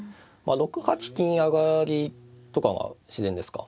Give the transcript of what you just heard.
６八金上とかは自然ですか。